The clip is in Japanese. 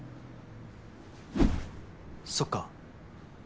そっか